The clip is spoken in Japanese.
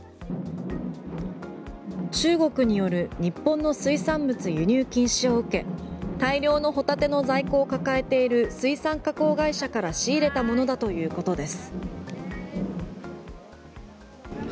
中国による日本の水産物輸入禁止を受け大量のホタテの在庫を抱えている水産加工会社から仕入れたものだということです。